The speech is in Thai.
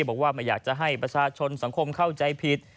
บอกว่าไม่อยากจะให้ประชาชนสังคมเข้าใจผิด